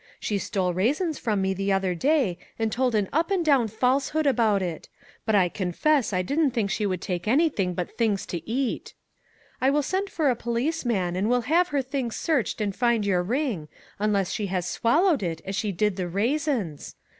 She stole raisins from me the other day and told an up and down falsehood about it; but I confess I didn't think she would take anything but things to eat. I will send for a policeman, and we'll 104 A SEA OF TROUBLE have her things searched and find your ring, unless she has swallowed it as she did the raisins.